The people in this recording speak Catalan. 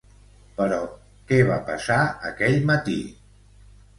Però què va passar aquell matí?